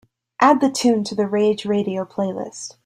Add the tune to the Rage Radio playlist.